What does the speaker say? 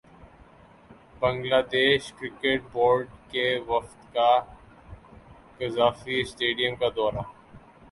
Bangladesh cricket board کے وفد کا قذافی اسٹیڈیم کا دورہ